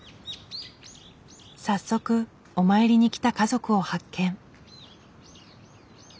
早速お参りに来た家族を発見。